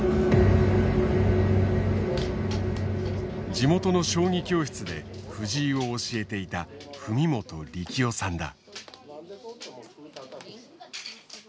地元の将棋教室で藤井を教えていた文本力雄さんだ。